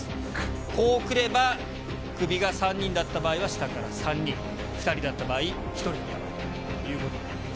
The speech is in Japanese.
こうくれば、クビが３人だった場合は下から３人、２人だった場合、１人になるということになります。